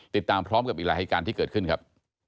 ติดตามพร้อมกับอีกหลายเหตุการณ์ที่เกิดขึ้นครับ